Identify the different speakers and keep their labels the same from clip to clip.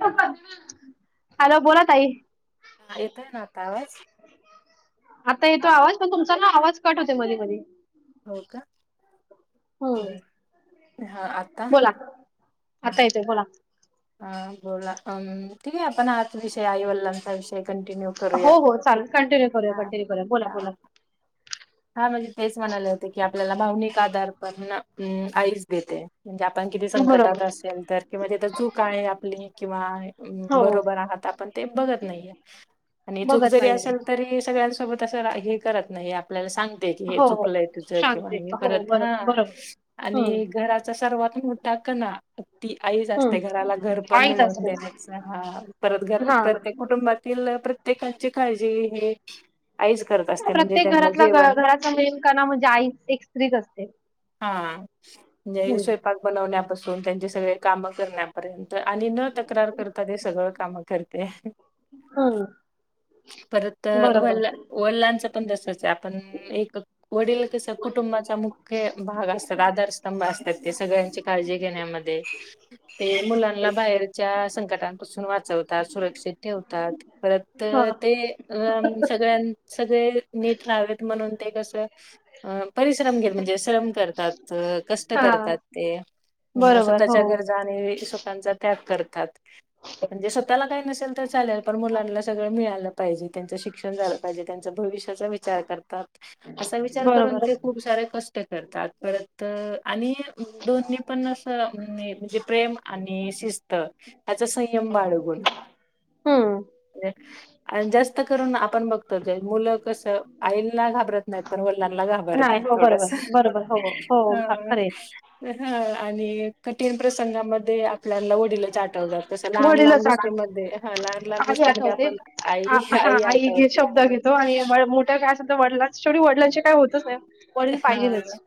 Speaker 1: Hello.
Speaker 2: Hello, बोला ताई.
Speaker 1: हा येतोय ना आता आवाज?
Speaker 2: आता येतो आवाज पण तुमचा का आवाज कट होतोय मध्ये मध्ये.
Speaker 1: हो का?
Speaker 2: हम्म
Speaker 1: [unintelligible] हा आता?
Speaker 2: बोला आता येतय बोला.
Speaker 1: हा बोला, अम ठीक आहे आपण हाच विषय आईवडलांचा विषय, कंटिन्यू
Speaker 2: हो
Speaker 1: करूयात.
Speaker 2: हो चालेल कंटिन्यू करूया
Speaker 1: हा
Speaker 2: कंटिन्यू करूया बोला
Speaker 1: हा.
Speaker 2: बोला
Speaker 1: हा म्हणजे तेच म्हणाले होते की, आपल्याला भावनिक आधार पण ना आईच देते. म्हणजे आपण किती संकटात
Speaker 2: बरोबर
Speaker 1: असेल तर, किंवा तिथ चूक आहे आपली किंवा
Speaker 2: हो
Speaker 1: बरोबर आहात. आपण ते बघत नाहीये आणि चूक
Speaker 2: बघत
Speaker 1: जरी
Speaker 2: नाहीये
Speaker 1: असेल तरी सगळ्यां सोबत जरा हे नाही आपल्याला सांगते, की हे
Speaker 2: हो हो
Speaker 1: चुकलंय तुझ किंवा
Speaker 2: सांगते
Speaker 1: हे
Speaker 2: हो
Speaker 1: परत
Speaker 2: बरोबर
Speaker 1: हा
Speaker 2: बरोबर
Speaker 1: आणि
Speaker 2: हम्म
Speaker 1: घराचा सर्वात मोठा टाका ना ती आईच असते. घराला घर
Speaker 2: हम्म
Speaker 1: पण
Speaker 2: आईच
Speaker 1: मिळून
Speaker 2: असते
Speaker 1: देण्याचा हा परत घर
Speaker 2: हा
Speaker 1: प्रत्येक कुटुंबातील प्रत्येकाची काळजी हे, आईचं करत असत्या. म्हणजे त्यांनला
Speaker 2: [unintelligible] घराचा मेन कना म्हणजे आई एक स्त्रीच असते.
Speaker 1: हा, म्हणजे
Speaker 2: हम्म
Speaker 1: स्वयंपाक बनवण्यापासून पण त्यांचे सगळे काम करण्यापर्यंत आणि न तक्रार करता ते सगळं काम करते.
Speaker 2: हम्म
Speaker 1: परत
Speaker 2: बरोबर
Speaker 1: व- वडिलांचं पण तसच आहे आप पण एक वडील कस कुटुंबाचा मुख्य भाग असतात, आधारस्तंभ असतात ते सगळ्या मुलांची काळजी घेण्यामध्ये. ते मुलांना बाहेरच्या संकटापासून वाचवतात सुरक्षित ठेवतात. परत
Speaker 2: हा
Speaker 1: ते- सगळ सगळे नीट रहावेत म्हणून ते कस परिश्रम घेत म्हणजे, श्रम करतात. कष्ट
Speaker 2: हा
Speaker 1: करतात ते. नई
Speaker 2: बरोबर हो
Speaker 1: स्वतःच्या गरजा आणि सुखांचा त्याग करतात. म्हणजे स्वतःला काही नसेल तर चालेल, पण मुलांना सगळं मिळालं पाहिजे. त्यांचं शिक्षण झालं पाहिजे, त्यांचं भविष्याच विचार करतात. असा विचार करून ते
Speaker 2: बरोबर
Speaker 1: खूप सारे कष्ट करतात. परत आणि दोन्ही पण असं मे -म्हणजे प्रेम आणि शिस्त त्याचा संयम बाळगून
Speaker 2: हम्म
Speaker 1: आणि जास्त कष्ट करुन आपण बघतो जे मुलं कसं, आईना घाबरत नाहीत. पण व डिलांना
Speaker 2: नाही
Speaker 1: घाबरतात
Speaker 2: हो बरोबर
Speaker 1: थोडसं.
Speaker 2: बरोबर हो हो खरे
Speaker 1: हं हं आणि कठीण प्रसंगामध्ये आपल्याना वडीलच आठवतात. जस लहान लहान
Speaker 2: वडीलच आठवत
Speaker 1: गोष्टीमध्ये ह लहान लहान
Speaker 2: आई
Speaker 1: गोष्टीमध्ये
Speaker 2: आठवते
Speaker 1: आपण आई आई आठवते. हं
Speaker 2: हो आणि मोठ्या काय असल वडलां शेवटी वडिलांचे काय होतच नाही, वडील पाहिजेलच.
Speaker 1: हां.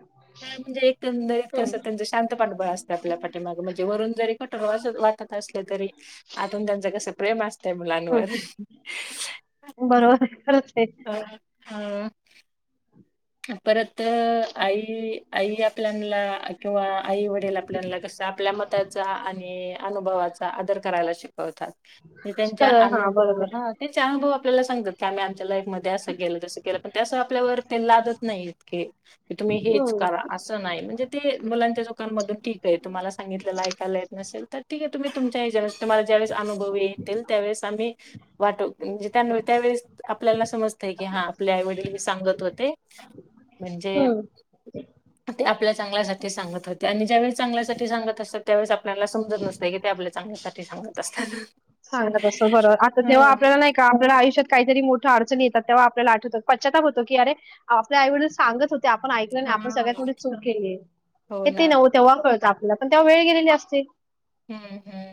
Speaker 1: म्हणजे एकंदरीत
Speaker 2: हम्म
Speaker 1: कसं त्यांचं शांत पाठबळ असत आपल्या पाठीमाग, म्हणजे वरून जरी कठोर वाटत असले तरी, आतून त्यांच कस प्रेम आस तय मुलानवर.
Speaker 2: बरोबर खरंच
Speaker 1: ह, हम्म परत, आई आई आपल्यानला किंवा आई वडील आपल्यानला कस आपल्या मताचा आणि अनुभवाचा आदर करायला शिक होता त्यांचा
Speaker 2: आहे हा
Speaker 1: अनुभव
Speaker 2: बरोबर
Speaker 1: हा त्यांच अनुभव आपल्याला सांगतात कि आम्ही आमच्य लाईफ मध्ये असं गेलं तस के पण त्यां आपल्यावर ते लादत नाहीत कि ते तुम्ही हेच
Speaker 2: हम्म
Speaker 1: करा असं नाही म्हणजे ते मुलांच्या धोकानमधून ठीक आहे तुम्हाला सांगितलं ऐयला येत नसेल तर ठीक हाय तुम्ही तुमच्या ह्याच्यावेळेस तुम्हाला ज्यावेळेस अनुभव येतील त्यावेळेस आम्ही वाटो म्हणजे त्या त्यावेळेस आपल्याला समजते की हा आपले आईवडील मी सांगत होते म्हणजे
Speaker 2: हम्
Speaker 1: ते आपल्या चांगल्यासाठी सांगत होते चागल्यासाठी सांगत असतात त्यावेळेस आपल्याला समजत नसते की ते आपल्या चांगल्या साठी सांगत असताना
Speaker 2: सांगलं तसं बरोबर आता तेव्हा आपल्याला नाही का आपल्याला आयुष्यात काहीतरी मो अडचणी येतात तेव्हा आपल्या आठवत पच्चाताप होतो की अरे आपले आईवडीलड सांगत होते आपण ऐकलं नाही आपण सगळ्यात
Speaker 1: हां.
Speaker 2: मोठी चूक केली आहे
Speaker 1: हो
Speaker 2: हे ते
Speaker 1: ना.
Speaker 2: नव तेव्हा कळत पण तेव्हा वेळ गेलेली असते
Speaker 1: हं, हं.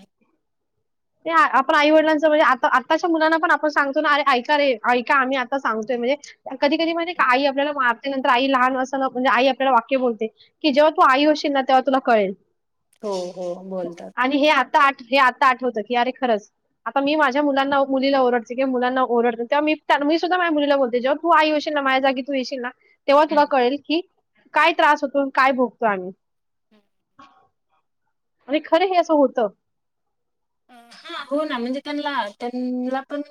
Speaker 2: ते आपण आई वडलांचं म्हणजे आ आताच्या मुलांना पण आपण सांगतो ना अे ऐका रे ऐका आम्ही आता सांगतोय म्हणजे कधी
Speaker 1: हं,
Speaker 2: कधी म्हणजे
Speaker 1: हं.
Speaker 2: काही आपल्याला मार त्यानंतर आई लहान अससानं म्हणजे आई आपल्याला वाक्य बोलते की जेव्हा तू आई होशील ना तेव्हा तुला कळेल
Speaker 1: हो हो बोलतात
Speaker 2: आणि हे आता आठ हे आत्ता आठवत अरे खरंच आता मी माझ्या मुलांना मुलीला ओरडते किं मुलांना ओरडतो तेव्हा मी सुद्धा माझ्या मुलीला बोलतीया जेव्हा तू आई होशील ना माझ्या जागी तू येशील ना तेव्हा तुला
Speaker 1: हं.
Speaker 2: कळेल कि काय त्रास होतो काय भोगतो आम्ही
Speaker 1: [inaudible]
Speaker 2: आणि खरं हे असं होत
Speaker 1: हम हो ना म्हणजे त्यांनला त्यांना पण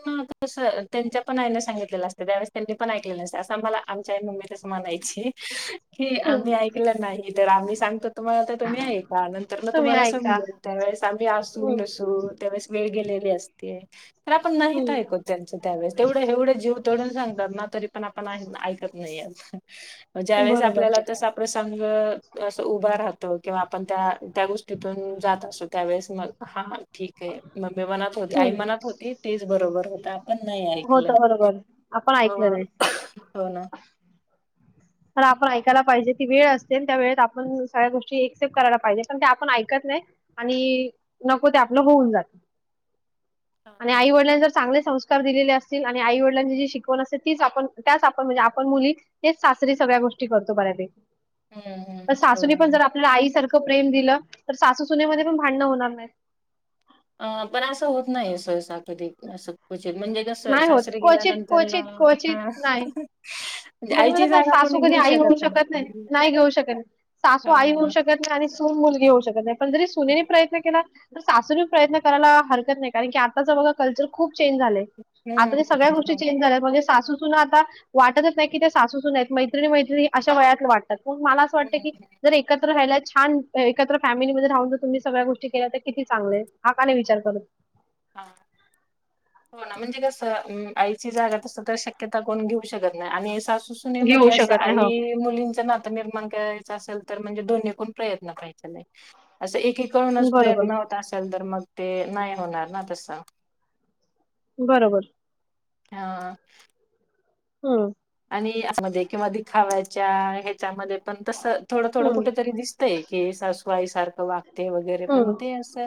Speaker 1: तस त्यांच्या पण आईन सांगितलेलं असतें त्यावेळे त्यां पण ऐकले असं मला आमच्या मुंबईतच म्हणायची ह्ह की आम्ही ऐकलं नाही तर आम्ही सांगतो तुम्हाला तर तुम्ही ऐका नंतर ना
Speaker 2: तुम्ही
Speaker 1: तुम्हाला
Speaker 2: ऐका
Speaker 1: समजेल त्यावेळेस आम्ही असू
Speaker 2: हम्म
Speaker 1: नसू त्यावेळेस वेगळ लेली असते तर आपण नाहीत
Speaker 2: हम्म
Speaker 1: ऐकत त्यांचं त्यावेळे तेवढं एवढे जीव तडून सांगत ना तरी पण आपण ऐकत नाही ज्यावेेळेस
Speaker 2: बरोबर
Speaker 1: आपल्याला तसा प्रसंग असं उभं राहतो किंवा आपण त्या त्या गोष्टीतून जात असो त्यावेेळेस मग हा ठीक आहे मम्मी मनात होते आई
Speaker 2: हम्म
Speaker 1: मनात होती तेच बर बर होत आपण नाही
Speaker 2: होत
Speaker 1: ऐकलं
Speaker 2: बरोबर आपण ऐकलं
Speaker 1: ह
Speaker 2: नाही
Speaker 1: हो ना
Speaker 2: पण आपण ऐकायला पाहिजे ती वेळ असते त्या वेळेत आपण सगळ्या गोष्टी एक्सटेप करायला पाहिजे पण त्या आपण ऐकत नाही आणि नको ते आपलं होऊन जात
Speaker 1: [inaudible]
Speaker 2: आणि आई वडिलांचा. चग संकार दिले अस आणि आई वडलांची ज शिकवण असते ती आपण आपण म्हणजे आपण मुली. स्या गोष्टी करतो
Speaker 1: हम्म
Speaker 2: ब
Speaker 1: हम्म
Speaker 2: सास
Speaker 1: हो ना
Speaker 2: पण
Speaker 1: हो.
Speaker 2: ज आपल्या आईसारख. प्रेम दिलं तर सासू सुनमध्ये पण भांडण होणार नाही.
Speaker 1: अ पण असं होत नाही स साकतिक स कु. म्हणजे क
Speaker 2: नाही होत
Speaker 1: सासरी
Speaker 2: क्वचित
Speaker 1: गेल्यानंतर.
Speaker 2: क्वचित क्वचित नाही म्हणजे मण
Speaker 1: आईची
Speaker 2: ना
Speaker 1: जागा
Speaker 2: सासू
Speaker 1: कोणी
Speaker 2: कधी
Speaker 1: घेऊ
Speaker 2: आई होऊ शकत नाही नाही घेऊ शकत नाही सासू आई होऊ
Speaker 1: हां.
Speaker 2: शकत नाही आणि मुलगी होऊ शकत नाही पण जरी सुनेनी प्रयत्न केला. सासूवीिक प्रयत्न करायला हरकत नाही कारण की आताच बघा कल्चर खूप. झा
Speaker 1: हम्म
Speaker 2: आता सगळ्या
Speaker 1: हम्म
Speaker 2: गोष्टी
Speaker 1: हो.
Speaker 2: चेंज झाल्या म्हणजे सू आता वाटतच नाही. ते सासूस मैत्रीणी मैत्रीणी अशा वयात वाटतात म मला असं
Speaker 1: हम्म
Speaker 2: वाटतं की
Speaker 1: हम्म
Speaker 2: जर एकत्र रायलाच. छान एकत्र फॅमिलीमध्ये राहून जर तुम्ही सगळ्या गोष्टी केल्या तर किती चांगले हा का नाही विचार करत.
Speaker 1: हा. हो ना म्हणजे कसं अ आईची जागा तस काय शक्यता कोण घेऊ शकत नाय आणि सासू
Speaker 2: घेऊ
Speaker 1: सुनेमध्ये असं
Speaker 2: शकत नाही हो
Speaker 1: आई मुलींच नातं निर्माण काय असलं तर म्हणजे दोन्हीकून प्रयत्न करायच नाय अस एक एक हुनच
Speaker 2: बरोबर
Speaker 1: प्रयत्न होत असेल तर मग ते नाय होणार ना तस.
Speaker 2: बरोबर.
Speaker 1: हा.
Speaker 2: हम्म
Speaker 1: आणि अस म्हणजे किंवा दिखाव्याच्या ह्याच्यामध्ये पण तसं थोडं थोडं
Speaker 2: हम्म
Speaker 1: कुठेतरी दिसतय की सासूआईसारखं वाग ते वगैरे पण
Speaker 2: हम्म.
Speaker 1: ते असं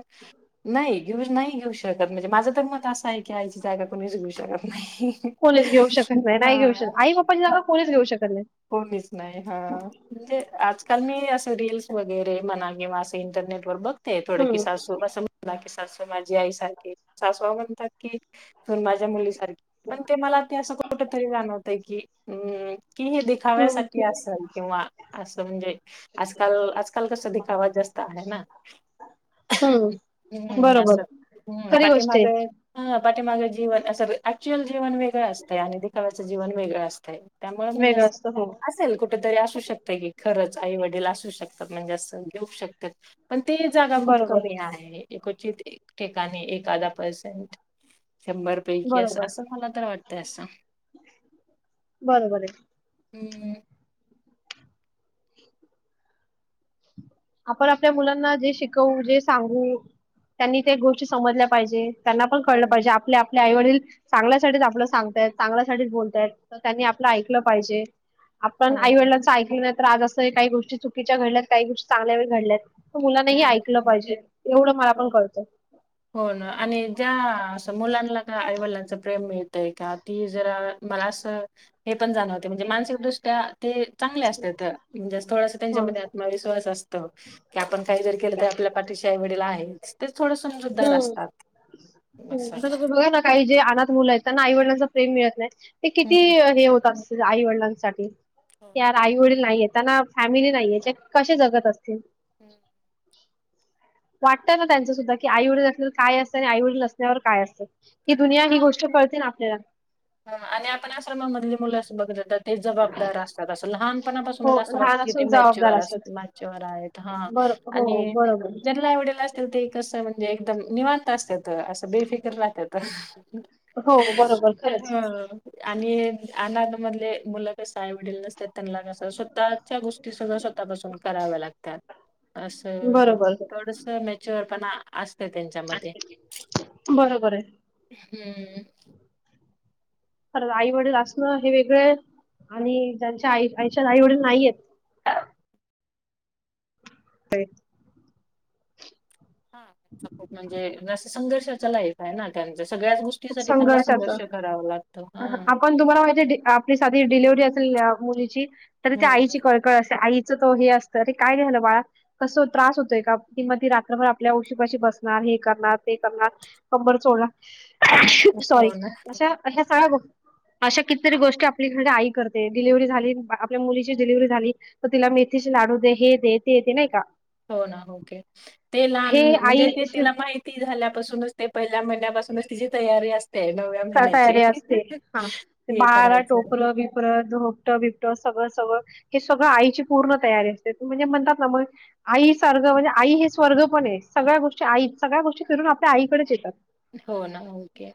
Speaker 1: नाई [unintelligible] नाई. घेऊ शकत म्हणजे माझ तर मत असं आहे की आईची जागा कोणीच घेऊ शकत नाही.
Speaker 2: कोणीच घेऊ शकत
Speaker 1: हा
Speaker 2: [unintelligible] कोणीच घेऊ शकत नाही
Speaker 1: कोणीच नाही हा म्हणजे आज कारण मी असं रील्स वगैरे म्हणा के म असं इंटरनेट वर बघ ते थोडं की
Speaker 2: हम्म
Speaker 1: सासू असं की [unintelligible] की सासू माझी आई सारखे सासवा म्हणतात की तू पण माझ्या मुलीसारखी. पण ते मला ते असं कुठ तरी जाणवतंय की हूं की हे
Speaker 2: हम्म
Speaker 1: दिखाव्यासाठी असेल किंवा असं म्हणजे आजकाल आजकाल कस दिखावाचं जास्त आहे ना. हम्म असं हम्म
Speaker 2: खरी गोष्ट
Speaker 1: पाटीमाग
Speaker 2: आहे
Speaker 1: हा पाठीमागे जीवन अस ऍक्च्युअल जीवन वेळं असतं आणि दिखाव्याचं जीवन वेगळं असतय. त्यामुळे म्हणजे
Speaker 2: वेगळं
Speaker 1: अस
Speaker 2: असतं हो
Speaker 1: असेल कुठेतरी असू शकतय की खरंच. आई वडील असू शकतात. म्हणजे अस घेऊ शकतात. पण ते जागा खूप
Speaker 2: बरोबर
Speaker 1: कमी आहे. क्वचित एक ठिकाणी एखादा पर्सेंट. शंभर पैकी अस
Speaker 2: बरोबर
Speaker 1: असं मला तर वाटत असं.
Speaker 2: बरोबर ये.
Speaker 1: हम्म.
Speaker 2: आपण आपल्या मुलांना जे शिकवू जे सांगू त्यांनी ते गोष्टी समजल्या पाहिजे. त्यांना पण कळलं
Speaker 1: हो.
Speaker 2: पाहिजे आपले आपल्या आईवडील चांगल्यासाठीच आपलं सांगतायत चांगल्यासाठीच बोलतायत तर त्यांनी आपलं ऐकलं पाहिजे. आपण आई
Speaker 1: हम्म.
Speaker 2: वडिलाचं ऐकललं नाही तर आज असं काही गोष्टी चुकीच्या घडल्यात काही गोष्टी चांगल्या बी घडल्यात. त मुलांनाही ऐकलं
Speaker 1: हम्म.
Speaker 2: पाहिजे एवढं मला
Speaker 1: हो.
Speaker 2: पण कळतं.
Speaker 1: हो नं आणि ज्या अस मुलांना का आईवडलांच प्रेम मिलतंय का टी जरा मला अस पण जाणवते म्हणजे मानसिकदृष्ट्या ते चांगले असत्यात म्हणजे थोडस त्यांच्या
Speaker 2: हं.
Speaker 1: आत्मविश्वास अस त की आपण काही जर केलं आपल्या पाठीशी आई वडील आहेचं तेचं थोडंसं. समजूदार असतात. असं.
Speaker 2: [unintelligible] काही जे अनाथ मुलं आहेत ना आईवडीलांचा प्रेम मिळत नाय. ते किती
Speaker 1: हं.
Speaker 2: हे होत अस आई वडिलांसाठी
Speaker 1: हो
Speaker 2: की
Speaker 1: ना.
Speaker 2: यार आई वडील नाहीयेत. त्यांना फॅमिली नाही या कसे जगत असतील
Speaker 1: हं.
Speaker 2: वाटतं ना त्यांच सुद्धा की आई वडील असल्यावर काय असतं आणि आई वडील अससण्यावर काय असतं की दुनिया ही
Speaker 1: हां
Speaker 2: गोष्ट
Speaker 1: म्हणजे
Speaker 2: कळते ना आपल्याला
Speaker 1: हां आणि आपण आश्रमामधली मुलं असं बघत जातात ते जबाबदार असतात असं लहानपणापासून
Speaker 2: हो
Speaker 1: असं वाटतं
Speaker 2: लहान
Speaker 1: की ते
Speaker 2: असून जबाबदार
Speaker 1: मॅच्युर
Speaker 2: असतात.
Speaker 1: मॅच्युर आहेत हा
Speaker 2: बर हो
Speaker 1: आणि
Speaker 2: बरोबर
Speaker 1: जरला आवडेल असतील ते कसं म्हणज म्हणजे एकदम निवांत असतेेत असं बेफिकर राहत्यातत ह
Speaker 2: हो बरोबर खरंच
Speaker 1: आणि अ ध मुलं कस आई वडील नसतात त्यांना कस स्वतःच्या गोष्टी सगळ स्वतःपासून कराव्या लागतात अस
Speaker 2: बरोबर
Speaker 1: थोडस मेच्युअर पण अस त्यांच्यामध्ये
Speaker 2: बरोबर आहे
Speaker 1: हम्म
Speaker 2: खरं आई वडील असणं हे वेगळं आणि त्यांच्या आई आईच्या आई वडील नाहीयेत ते
Speaker 1: ह खूप म्हणजे संघर्षाचं लाइफ आहे ना त्यांच
Speaker 2: संघर्षाच
Speaker 1: लागतो. हां.
Speaker 2: आपण तुम्हाला माहितीय आपली साधी डिलिव्हरी अस मुलीची तर त्या
Speaker 1: हं.
Speaker 2: आईची कळकळ असते आई तवा हे असतं. अरे काय झालं बाळा कस त्रास होतोय का? म ती रात्रभर आपल्या उशीपाशी बसणार. हे करणार ते करणार. कंबर चोळनार [unintelligible] सॉरी
Speaker 1: हो ना,
Speaker 2: अशा अशा सगळ्या गोष्टी अशा किती तरी गोष्टी आपलीकडे आई करते. डिलिव्हरी झाली, आपल्या मुलीची डिलिव्हरी झाली तर तिला मेथीचे लाडू दे. हे दे, ते दे नाही का?
Speaker 1: हो ना ओके. ते लहान
Speaker 2: हे
Speaker 1: म्हणजे ते
Speaker 2: आई
Speaker 1: तिला माहिती झाल्यापासूनच ते पहिल्या महिन्या तिची तयारी अस
Speaker 2: का तयारी असते. हा ते
Speaker 1: हे
Speaker 2: बाळाला
Speaker 1: करायचं.
Speaker 2: टोपलं, बिपल झोप दुबतं बिबटं सगळं सगळं हे सगळं आईची पूर्ण तयारी असते. म्हणजे म्हणतात ना मग आई सार म्हणजे आई हे स्वर्ग पणहे. सगळ्या गोष्टी आई सगळ्या गोष्टी फिरून आपल्या आईकडेच येतात.
Speaker 1: हो ना. ओके.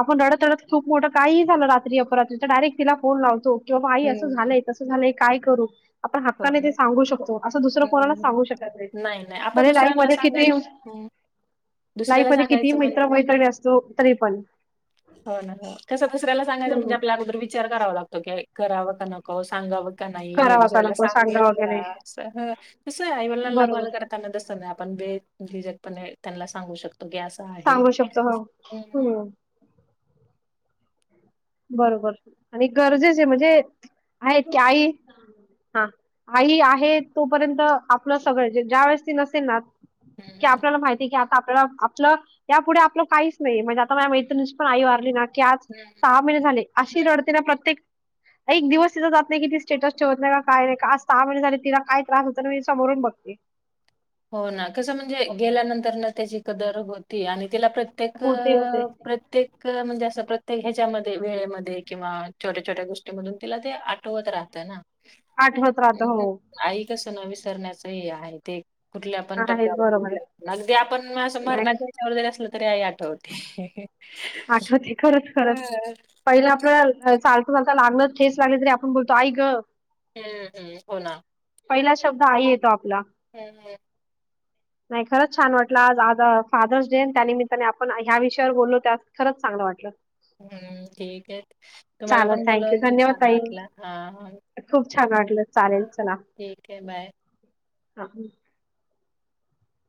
Speaker 2: आपण रडत रडत खूप मोठं काही झालं रात्री अपरात्री तर डायरेक्ट तिला फोन लावतो. किंवा आई असं
Speaker 1: हं.
Speaker 2: झालंय, तसं झालंय काय करू. आपण
Speaker 1: हो
Speaker 2: हक्काने
Speaker 1: ना.
Speaker 2: ते सांगू शकतो. असं दुसरं
Speaker 1: हं,
Speaker 2: कोणालाच
Speaker 1: हं.
Speaker 2: सांगू शकत नाही. म्हणजे लाईफ मध्ये किती
Speaker 1: हम्म.
Speaker 2: लाईफ मध्ये किती मित्र मैत्रिणी असो तरी पण.
Speaker 1: हो ना. कसं दुसऱ्याला सगायचं म्हणजे आपल्या अगोदर विचार करावा लागतो की कराव का नको, सांगाव का नाही. हे
Speaker 2: करावा का
Speaker 1: दुसऱ्याला
Speaker 2: नको
Speaker 1: [unintelligible]
Speaker 2: सांगावा का नाही बरोबर
Speaker 1: [unintelligible] पण त्यांना सांगू शकतो की असं आह
Speaker 2: सांगू शकतो हो हम्म बरोबर आणि गरजेचे म्हणजे आहेत की आई हा आई आहे तोपर्यंत आपलं सगळं ज्या वेळेस ती नसेल ना. कि
Speaker 1: हं,
Speaker 2: आपल्याला माहितीय की आपल्याला आपलं या पुुढे आपलं काहीच नाही म्हणजे आता माझ्या मैत्रिणीची पण आई वारली ना की आज
Speaker 1: हं.
Speaker 2: दहा महिने झाले अशी रडती ना प्रत्येक एक दिवस तिथं जात नाही कि ती स्टेटस ठेवत नाही काय नाही का आज सहा महिने झाले तिला काय त्रास होत ना मी समोरून बघते.
Speaker 1: हो ना कसं म्हणजे गेल्यानंतर ना त्याची कदर होती आणि तिला प्रत्येक,
Speaker 2: होते होते.
Speaker 1: प्रत्येक म्हणजे असं प्रत्येक ह्याच्यामध्ये वेळेमध्ये किंवा छोट्या छोट्या गोष्टीमधून तिला ते आठवत राहतं ना.
Speaker 2: आठवत राहत हो.
Speaker 1: तसं ना विसरण्याच हे आहे ते कुठल्या पण
Speaker 2: आहेच बरोबर
Speaker 1: टप्प्यावर अगदी आपण असं
Speaker 2: आहे.
Speaker 1: मरणाच्या त्याच्यावर जरी असल. तरी आई आठवते.
Speaker 2: आठवते खरच खरच
Speaker 1: हं.
Speaker 2: पहिले आपलं चालत. ता लागलं ठेस लागल तरी आपण बोलतो आई ग
Speaker 1: हम्म हम्म हो ना
Speaker 2: पहिला शब्द आई येतो आप
Speaker 1: हम्म
Speaker 2: नाही, खरंच छान वाटलं. आज आज फादर्स डे, त्या निमित्ताने आपण ह्या विषयावर बोललो त्या खरंच, चांगलं वाटलं.
Speaker 1: हम्म ठीकये तुम्हाला
Speaker 2: चालेल
Speaker 1: पण
Speaker 2: थँक्यू
Speaker 1: बोलून खूप
Speaker 2: धन्यवाद
Speaker 1: छान
Speaker 2: ताई
Speaker 1: वाटलां हा
Speaker 2: खूप छान वाटलं, चालेल. चला,
Speaker 1: आहे. बाय.
Speaker 2: ह